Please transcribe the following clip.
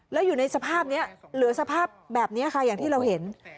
แล้วอยู่ในสภาพนี้เหลือสภาพแบบนี้ค่ะอย่างที่เราเห็น